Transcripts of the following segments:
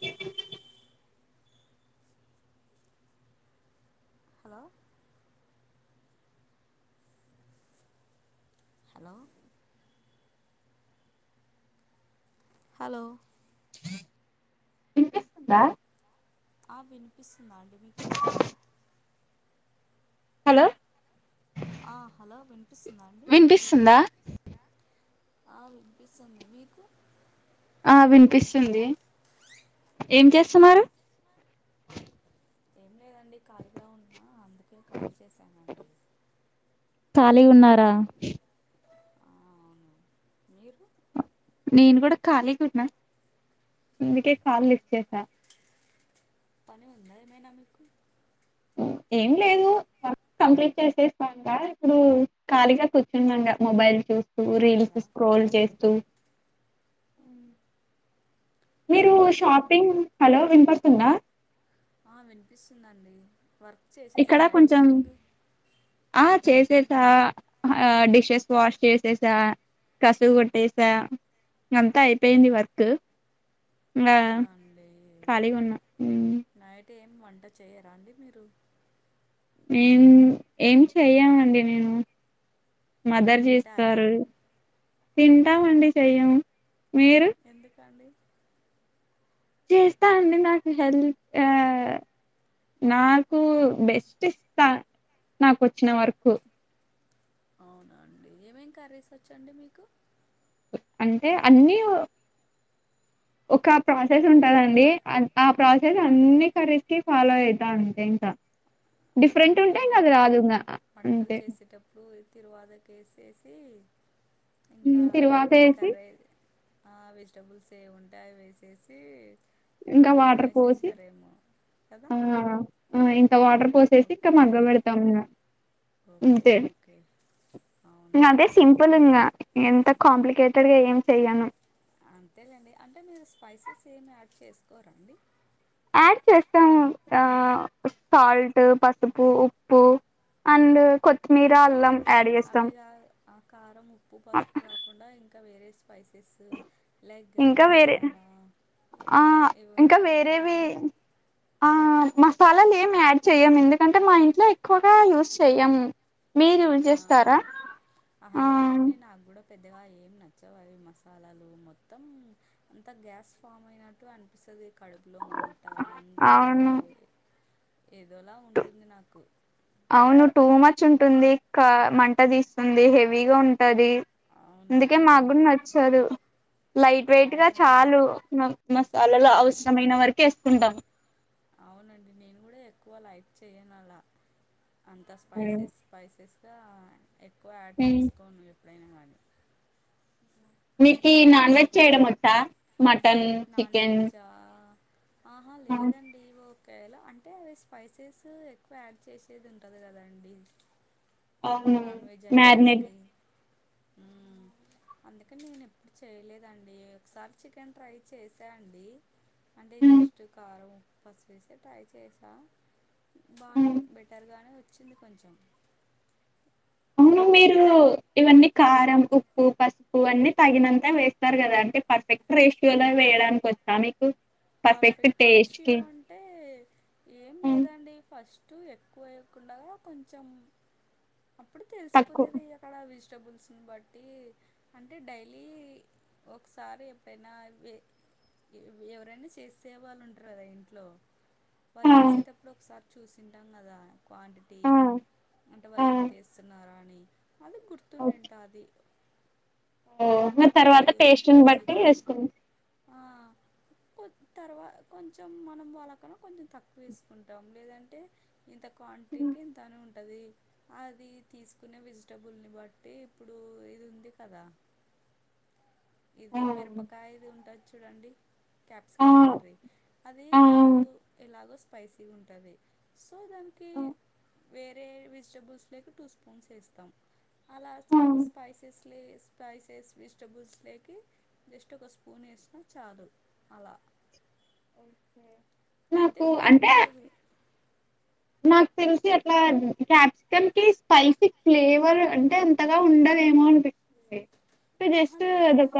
ఇ hello hello hello ఇనిపిస్తుందా వినిపిస్తుందా అండి మీకు హలో ఆ హలో వినిపిస్తుందా అండి పిసుందా ఆ వినిపిస్తుంది మీకు ఆ వినిపిస్తుంది ఏం చేస్తున్నారు ఏం లేదండి ఖాళీగా ఉన్నా అందుకే కాల్ చేశానండి ఖాలీగా ఉన్నారా ఆ అవును మీరు నేను కూడా ఖాళీకున్నా అందుకే కాల్ లిస్ట్ చేసా. పని ఉందా ఏమైనా మీకు ఉహ్ ఏం లేదు ఆ కంప్లీట్ చేసేస్తాక ఇప్పుడు ఖాళీగా కూర్చున్నా ఇగా మొబైల్ చూస్ కు రీల్స్ సారా స్క్రోల్ చేస్తూ ఉహ్ మీరు హలో షాపింగ్ హలో వినిపడతుదా ఆ వినిపిస్తుందండి వర్క్ ఇక్కడ చేసేసారా కొంచెం ఈవినింగు ఆ చేసేసా ఆ డిషెస్ వాష్ చేసేసా కసుగు కొట్టేసా అంతా అయిపోయింది వర్కు ఇంగా అవునా అండి ఖాళీగున్నా ఉహ్ నైట్ ఏం వంట చేయరా అండి మీరు మేం ఏం చెయయమండి నేను మదర్ తింటారా జేస్తారు తింటామండి చెయ్యం మీరు ఎందుకండి చేస్తా అండి నాకు హెల్త్ ఆ నాకు బెస్ట్ ఇస్తా నాక్ వచ్చిన వర్కు అవునా అండి ఏమేమి కర్రీస్ వచ్చండి మీకు అంటే అన్ని ఓ ఒక ప్రాసెస్ ఉంటదండి. ఆన్ ఆ ప్రాసెస్ అన్ని కరీస్ కి ఫాలో అయితాంటే ఇంకా డిఫరెంట్ ఉంటే అవునలే ఇంకా అది రాదు ఇంకా పంటలు అంతే చేసేటప్పుడు తిరువాదక్ ఏసేసి ఇంకా తిరువాత ఏ వేసి కారైద్ ఆ వెజిటబుల్స్ ఏ ఉంటాయో వేసేసి ఇంకా ప్రోటీన్గా వాటర్ పోసి ఏసేస్తారేమో కదా ఓ ఇంత వాటర్ పోస్ చేసి ఇక్క ఓకే మగ్గ పెడతమ్ ఇనా ఓకే ఇంతే ఓకే అవునా పోలునా ఎంత కాంప్లికేటెడ్ గా ఏం చెయను అంతేలేండి అంటే మీరు స్పైసెస్ ఏమి యాడ్ చేసుకోరా అండి. యాడ్ చేస్తాం ఆ సాల్ట్ పసుపు ఉప్పు అండ్ కొత్ అంటే అవిగాద్ ఆ కారం ఉప్పు పసుపు ఆక్ ఉండా ఇంకా వేరే స్పైసెసు లైగ్ గరం ఇంకా వేరే మసాలా ఆ ఇవి ఇంకా ఉంటాయి గదా వేరేవి ఆ మసాలాలు ఏమి యాడ్ చేయం, ఎందుకంటే మా ఇంట్లో ఎక్కువగా యూస్ చేయం. అవునా ఆహా ఆ లేదండి నాగ్ గుడా పెద్దగా ఏం నచ్చవు అవి మసాలాలు మొత్తం అంతా గ్యాస్ ఫామ్ అయినట్టు అనిపిసది. కడుపులో మంట అంతా అలా అవును ఏదోలా ఉంటుంది నాకు అవును టూ మచ్ ఉంటుంది క మంట దీస్తుంది హెవీగా ఉంటది. అందుకే అవునండి మా గుడ్ నచ్చదు. లైట్ వెయిట్ గా అవునండి చాలు ఉహ్మ్ మస్ అలల నా అవసరమైన వరకే ఇస్తుంటాం. అవునండి నేను గూడా ఎక్కువ లైక్ చేయను అలా అంతా స్పైసెస్. స్పైసెస్గా ఎక్కువ యాడ్ చేసుకోను ఎప్పుడైనా కానీ. మీకి ఈ నాన్ వెజ్ చేయడం వొతా మటన్ నాన్ వెజ్జా ఆహా లేదండి ఓ ఒకేలా అంటే అవి స్పైసెస్ ఎక్కువ యాడ్ చేసేది ఉంటది కదండి అవును నాన్ వెజ్ ఐటమ్స్ మ్యారినేట్ కి అందుకని నేను ఎప్పుడు చేయలేదండి ఒకసారి చికెన్ ట్రై చేశా అండి అంటే జస్ట్ కారం ఫస్ వేసే ట్రై చేసా బానే బెటర్గానే వచ్చింది కొంచెం అవును మీరు ఇవన్నీ కారం ఉప్పు పసుపు అన్నీ తగినంత వేస్తారు కదా అంటే పర్ఫెక్ట్ రేషియోలో వేయడానికి వచ్చా మీకు పర్ఫెక్ట్ టేస్ట్ కి రేషియో అం టే ఏం లేదండి ఫస్ట్ ఎక్కువ వేయకుంండగా కొంచెం అప్పుడు తక్కువ తెలిసిపోతది అక్కడ వెజిటబుల్స్ని బట్టి అంటే డైలీ ఒకసారి ఎప్పుైడైనా వె ఎవరైనా చేసే వాళ్ళు ఉంటరు కదా ఇంట్లో వాళ్ళు ఆ వేసేటప్పుడు ఒకసారి చూసింటాం కదా క్వాంటిటీ ఆ బయట ఆ వాళ్ళు ఎంతేస్తున్నారా అని అది గుర్తునింట అది ఓహొ తర్వాత టూ పేస్ట్ ని బట్టి స్పూన్స్ వేసుకు ఆ కొ తర్వా కొంచెం మనం వాళ్ళకన్న కొంచెం తక్కువ వేసుకుంటాం లేదంటే ఇంత క్వాంటీకి ఇంత అని ఉంటది అది తీసుకునే వెజిటబుల్ని బట్టి ఇప్పుడు ఇది ఉంది కదా ఇది ఆ మిరపకాయది ఉంటుంది చూడండి క్యాప్సికం ఆ కర్రీ అది ఆ టూ ఎలాగో స్పైసీ గ ఉంటుంది సో దానికి ఆ వేరే వెజిటబుల్స్ లేక టూ స్పూన్స్ వేస్తాం అలా స్పైసెస్ లే స్పైసెస్ విస్ టబుల్స్ లేకి జస్ట్ ఒక స్పూన్ వేసిన చాలు అలా ే అంతే నాకు ఇంకేం అంటే లేదు నాకు తెలిసి అట్ల క్యాప్సికం కి స్పైసీ ఫ్లేవర్ అంటే అంటగా ఉండదేమో అనిపించింది అస లేద్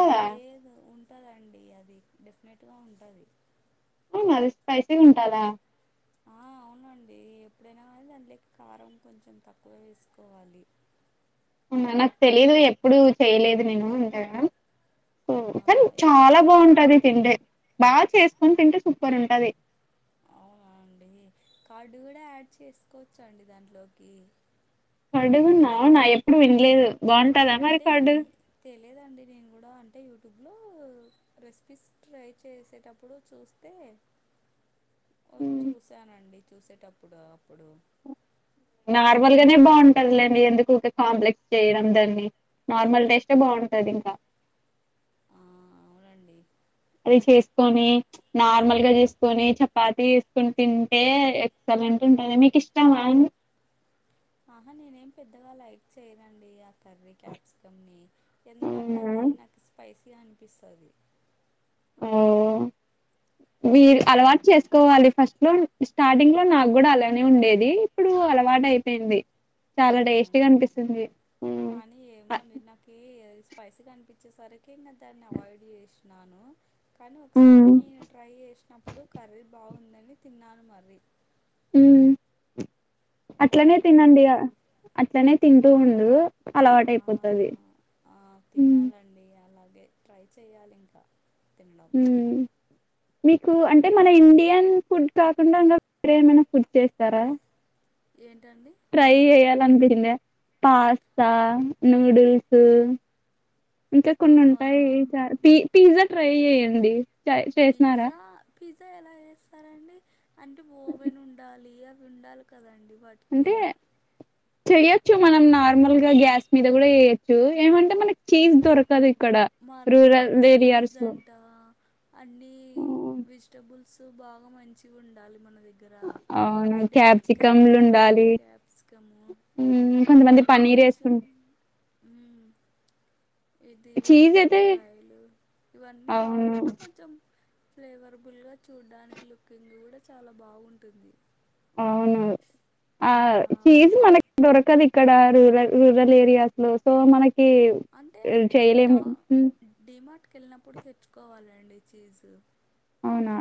అహ లేద్ అని ఉంటందండి అది డెఫినెట్గా ఉంటది అవున అది స్పైసీగా ఉంటదా ఆ అవునండి ఎప్పుడైనా దాంట్లోకి కారం కొంచెం తక్కువ వేసుకోవాలి మనకు తెలిదు ఎప్పుడు చెయలేదు నేను ఇంక సో కానీ చాల తక్ బాగుంటది తింటే బాగా చేసుకొని తింటే సూపర్ ఉంటది అవునా అండి కార్డు కూడ యాడ్ చేసుకోవచ్చ అండి దాంట్లోకి పడుగున్నావు నా ఎప్పుడు వినలేదు బా అంటే తెలియదండి నేను కూడా అంటే యూట్యూబ్లో రెసిపీస్ ట్రై చేసేటప్పుడు చూస్తే చూసానండి చూసేటప్పుడు అప్పుడు నార్మల్ గానే బాగుంటది లేండి ఎందుకు ఊకె కాంప్లెక్స్ చేయడం దాన్ని నార్మల్ టెస్టే బాగుంటది ఇంకా ఆ, అవునండి అది చేసుకొని నార్మల్ గా చేసుకొని చపాతి చేసుకొని తింటే ఎక్సలెంట్ ఉంటంది మీకు ఇష్టమా ఆహా నేనేం పెద్దగ లైక్ చేయనండి ఆ కర్రీ క్యాప్సికమ్ని ఎందుకంటే అవునా అది నాకు స్పైసీగ అనిపిస్తది ఓ మీరు అలవాటు అవునండి చేసుకోవాలి ఫస్ట్లో స్టార్టింగ్ లో నాకు కూడ అలానే ఉండేది ఇప్పుడు అలవాటు అయిపోయింది చాల అవునా టేస్టీగా అండి అనిపిస్తుంది స్పైసీ అనిపించేసరికి ఇంకా దాన్ని అవాయిడ్ చేసినాను కానీ ఒకసారి హ్మ్. నేను ట్రై చేసినప్పుడు కర్రీ బాగుందని తిన్నాను మర్రి ఉ అట్లనే బానే తినండి ఉండింది అట్లనే తింటూ ఉండు అలవాటు అయిపోతది హు అండి అలాగే ట్రై చేయాలింక [unintelligible] హ్మ్. మీకు అంటే మన ఇండియన్ ఫుడ్ కాకుండ ఇంక వేరే ఏమైన ఫుడ్ చేస్తారా ఏంటండి ట్రై చేయాలని [unintelligible] పాస్త నూడిల్స్ ఇంకా కొన్ని అవా ఉంటాయి చ పి పిజ్జా ట్రై చెయండి పిజ్జా పిజ్జా ఎల చేస్తారండి అంటే ఓవెన్ ఉండాలి అవి ఉండాలి కదండి [unintelligible] అంటే చెయొచ్చు మనం నార్మల్ గా గ్యాస్ మీద కూడా చేయొచ్చు ఏమంటే మనకి చీజ్ దొరకదు ఇక్కడ మరి రూరల్ చీజ్ ఏరియాస్ లో అంట అన్ని వెజిటేబుల్ సో బాగ మంచిగా ఉండాలి మన [unintelligible] దగ్గర అవును [unintelligible] క్యాప్సికమ్లు క్యారెట్ ఉండాలి క్యాప్సికము కొంతమంది ఇవన్నీ పన్నీర్ కొంచెం వేసుకుంట ఇది [unintelligible] చీజ్ అయితే ఒట్టిమిరపకాయలు ఇవన్నీ అవును బాగుంటే కొంచెం ఫ్లేవరబుల్గా చూడ్డానికి లుకింగ్ కూడా చాలా బాగుంటుంది అవును ఆ చీజ్ మనకి దొరకదు ఇ ఇక్కడ రూరల్ రూరల్ ఏరియాస్లో సో మనకి అంటే చేయలే టా డిమార్ట్కి వెళ్ళినప్పుడు తెచ్చుకోవాలండి చీజు అవునా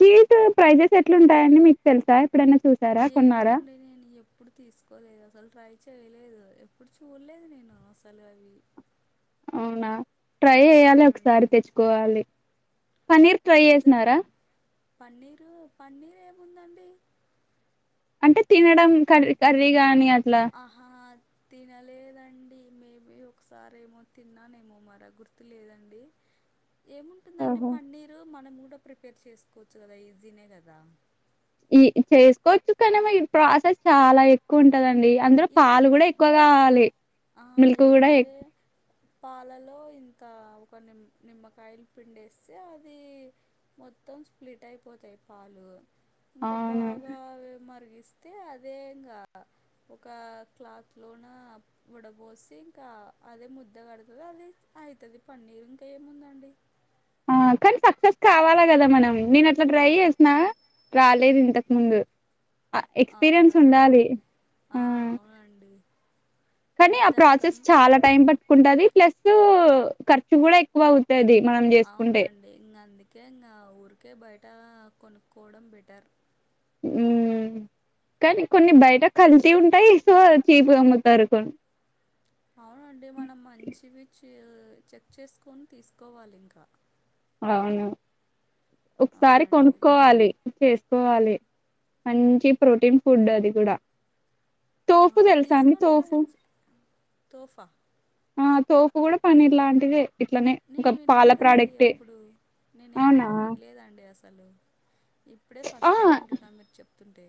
చీజు ప్రైజెస్ ఎట్లుంటాయండి మీకు తెలుసా [unintelligible] ఏమో అండి నేను ఎ ఎప్పుడు తీసుకోలేదు అసలు ట్రై చేయలేదు ఎప్పుడు చూడలేదు నేను అసలు అవి అవునా ట్రై చేయాలి అవునండి ఒకసారి తెచ్చుకోవాలి పన్నీర్ ట్రై పిజ్జా చేసినార పన్నీరు పన్నీర్ ఏముందండి అంటే తినడం కర్రీ కర్రీ గాని అట్ల ఆహా తినలేదండి మేబీ ఒకసారి ఏమో తిన్నానేమో మర గుర్తు లేదండి ఏముంటుందండి ఓహో! పన్నీరు మనం కూడా ప్రిపేర్ చేసుకోవచ్చు కదా ఈజీనే కదా ఈ చేసుకోవచ్చు కాని ప్రాసెస్ చాలా ఎక్కువ ఉంటదండి అందులో పాలు ఏం కూడ ఎక్కువ తాగాలి ఆ ఏమంటే పాలలో ఇంత ఒక నిమ్ నిమ్మకాయలు పిండేస్తే అది మొత్తం స్ప్లిట్ అయిపోతాయి పాలు ఇంక అవును బాగా మరిగిస్ అయితే అదే ఇంగా ఒక క్లాత్లోన వడబోసి ఇంకా అదే ముద్ద కడుతుంది అదే అయితది పన్నీర్ ఇంకా ఏముందండి ఆ కానీ సక్సెస్ కావాలా గదా మనం నేను అట్లా ట్రై చేసిన రాలేదు ఇంతకు ముందు ఆ ఎక్స్పీరియన్స్ అవునండి ఉండాలి ఆ ఆ అండి కానీ ఆ ప్రాసెస్ చాలా టైం పట్టుకుంటది ప్లస్ ఖర్చు గూడా ఎక్కువ అవుతది మనం చేసుకుంటే ఇంగా అందుకే ఇంగా ఊరికే బయట కొనుక్కోవడం బెటర్ మ్ కానీ కొన్ని బయట కల్తి ఉంటాయి సో చీపు అమ్ముతారు కొన్ని అవునండి మనం మంచివి చెక్ చేసుకొని తీసుకోవాలి ఇంకా అవును ఒకసారి అవునండి కొనుక్కోవాలి చేసుకోవాలి మంచి ప్రోటీన్ ఫుడ్ అది గూడా అ తోఫు తీసుకోనింట్రచే తోఫా ఆ తోపు గూడా పన్నర్ లాంటిదే ఇట్లనే నేను ఒక పాల వినలేదండి ప్రోడక్టే ఎప్పుడు నేను అవునా ఎప్పుడు వినలేదండి అసలు ఇప్పుడే ఆ ఫస్ట్ టైం వింటున్నాను మీరు చెప్తుంటే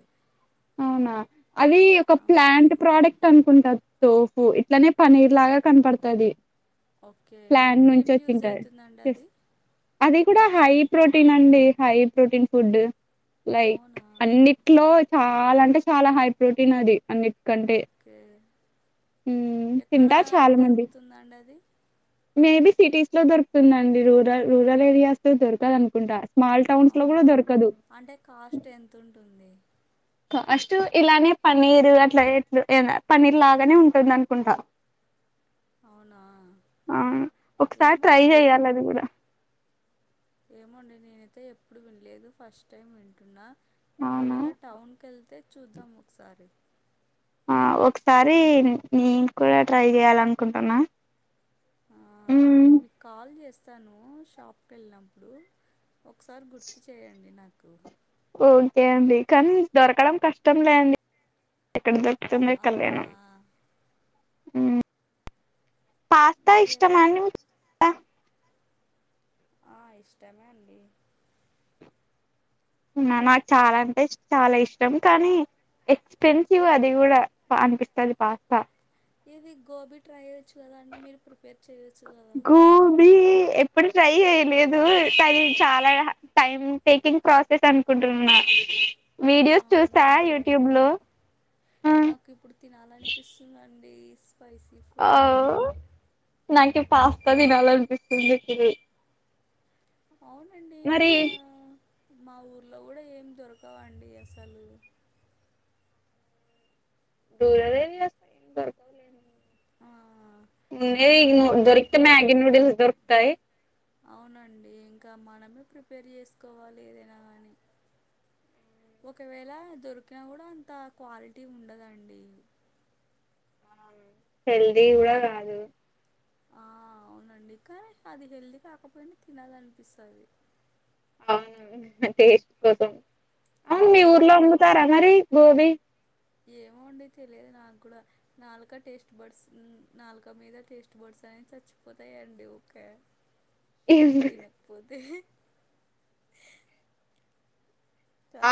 అవునా అది ఒక అవునండి ప్లాంట్ ప్రోడక్ట్ అనుకుంట తో పు ఇట్లానే పన్నర్ లాగా కనపడతది ఓకే ఏం యూజ అయితుందండి యెస్. అది అది గూడా హై ప్రోటీన్ అండి హై ప్రోటీన్ ఫుడ్ లైక్ అవునా అన్ని ట్లో చాలా అంటే చాలా హై ప్రోటీన్ అది అన్ని కంటే ఓకే మ్ ఎక్కడ తింటార్ చాలా మంది దొరుకుతుందండి అది మేబీ సిటీస్ లో దొరుకుతుందండి రూరల్ రూరల్ ఏరియాస్ లో దొరకదనుకుంటా స్మాల్ టౌన్స్ లో అవునా గూడా దొరకదు అంటే కాస్ట్ ఎంత ఉంటుంది కాస్ట్ ఇలానే పన్నీర్ అట్లా పన్నీర్ లాగానే ఉంటుందనుకుంటా అవునా అవును ఒకసారి ట్రై ఏమొండి చెయ్యాలి అది కూడా ఏమోండి నేనైతే ఎప్పుడు వినలేదు ఫస్ట్ టైం వింటున్నా అవునా ఒకవేళ టౌన్కి ఎళ్తే చూద్దాం ఒకసారి ఆ ఒకసారి నేను కూడా ట్రై చేయాలనుకుంటున్నా ఆ ఉమ్ నేను మీకు కాల్ చేస్తాను షాప్కి ఎళ్ళినప్పుడు ఒకసారి గుర్తు చేయండి నాకు ఓకే అండి కానీ దొరకడం కష్టం లే అండి ఎక్కడ దో అ పొద్దునే అవునా కళ్యాణం పాస్తా మరి ఎలా ఇష్టమ అండి మీ ఆ ఇష్టమే అండి నాకు చాలా అంటే చాలా ఇష్టం కానీ ఎక్స్పెన్సివ్ అది గూడా అనిపిస్తది పాస్తా ఇది గోబీ ట్రై చేయొచ్చు గదా అండి మీరు ప్రిపేర్ చేయ్యవచ్చు గదా గోబీ ఎప్పుడు ట్రై చేయలేదు తయి చాలా టైమ్ టేకింగ్ ప్రాసెస్ అం అనుకుంటున్నా ఆ, వీడియోస్ చూసా అవునండి యూట్యూబ్ లో మ్ నాకు ఇప్పుడు తినాలనిపిస్తుందండి స్పైసీ ఆ ఫుడ్ నాకి పాస్తా తినాలనిపిస్తుంది ఇప్పుడు అవునండి మరి మా మా ఊర్లో గూడా ఏమి దొరకవ అండి అసలు దూ అదేంచేస్ ఆ ఉన్నయే ఇంకా దొరికితే మ్యాగి న్యూడిల్స్ దొరుకుతయి. అవునండి ఇంకా మనమే ప్రిపేర్ చేసుకోవాలి ఏదైనా కాని. ఒకవేళ దొరికినా కూడా అంత క్వాలిటీ ఉండదండి. హెల్దీ కూడా కాదు. ఆ అవునండి కానీ అది హెల్దీ కాకపోయినా తినాలనిపిస్తది. అవును టేస్ట్ కోసం ఆ అవును మీ ఊర్లో అమ్ముుతారా మరి గోబీ. ఏమో అండి తెలియదు నాక్కూడా. నాలుక టేస్ట్ బర్డ్స్ నాలుక మీద టేస్ట్ బర్డ్స్ అనేయి చచ్చిపోతాయండి ఊకే. తినకపోతే.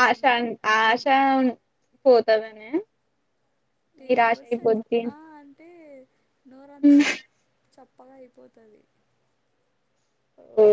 ఆశ అన్ ఆశ ఉం పోతదనా. టేస్ట్ బర్డ్ సచ్చి ఆ అంటే నోరంతా కం చప్పగా అయిపోతది. హ్